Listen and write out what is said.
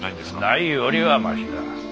ないよりはましだ。